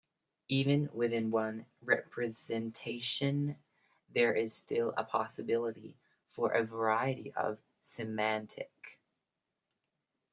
Even within one representation, there is still a possibility for a variety of semantic.